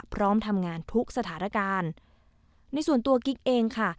พร้อมทำงานทุกสถานการณ์ในส่วนตัวกิ๊กเองค่ะ